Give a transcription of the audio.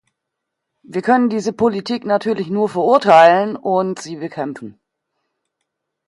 Wir können diese Politik natürlich nur verurteilen und sie bekämpfen.